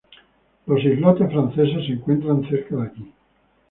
Los Islotes Franceses se encuentran cerca de aquí.